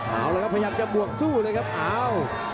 เอาละครับพยายามจะบวกสู้เลยครับอ้าว